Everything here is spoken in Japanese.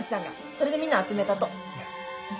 それでみんな集めたと。